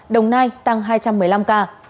đồng nai tăng hai trăm một mươi năm ca